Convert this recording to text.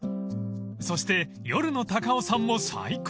［そして夜の高尾山も最高］